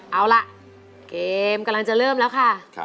เอาล่ะเกมกำลังจะเริ่มแล้วค่ะ